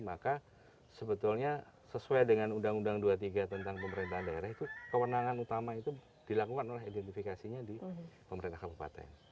maka sebetulnya sesuai dengan undang undang dua puluh tiga tentang pemerintahan daerah itu kewenangan utama itu dilakukan oleh identifikasinya di pemerintah kabupaten